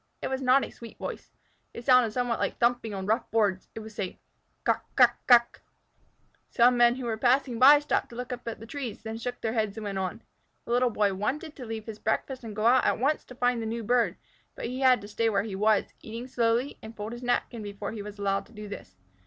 It was not a sweet voice. It sounded somewhat like a thumping on rough boards. It was saying, "Kuk kuk kuk!" Some men who were passing by stopped to look up at the trees, then shook their heads and went on. The Little Boy wanted to leave his breakfast and go out at once to find the new bird, but he had to stay where he was, eat slowly, and fold his napkin before he was allowed to do this.